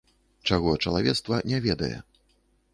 Чаго чалавецтва не ведае.